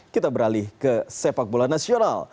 kita beralih ke sepak bola nasional